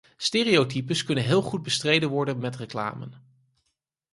Stereotypes kunnen heel goed bestreden worden met reclame.